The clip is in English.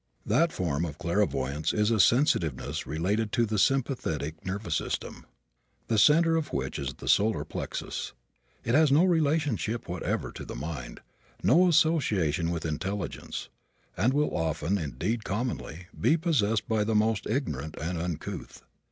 That form of clairvoyance is a sensitiveness related to the sympathetic nervous system, the center of which is the solar plexus. It has no relationship whatever to the mind, no association with intelligence, and will often indeed, commonly be possessed by the most ignorant and uncouth.